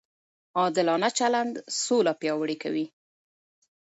عادلانه چلند سوله پیاوړې کوي.